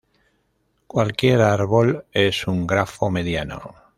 Cualquier árbol es un grafo mediano.